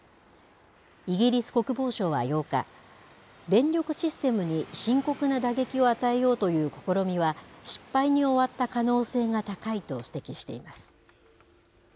イギリス国防省は８日、電力システムに深刻な打撃を与えようという試みは、失敗に終わった可能性が高いと指摘しています。